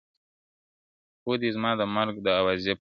• خو دې زما د مرگ د اوازې پر بنسټ.